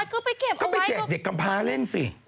ก็ไปเก็บก็ไปแจกเด็กกำพาเล่นสิ